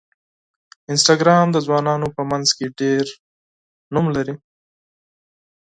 انسټاګرام د ځوانانو په منځ کې ډېر شهرت لري.